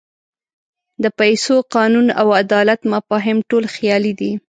د پیسو، قانون او عدالت مفاهیم ټول خیالي دي.